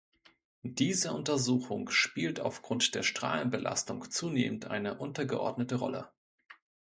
Diese Untersuchung spielt aufgrund der Strahlenbelastung zunehmend eine untergeordnete Rolle.